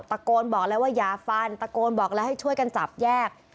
ตะโกนบอกแล้วว่าอย่าฟันตะโกนบอกแล้วให้ช่วยกันจับแยก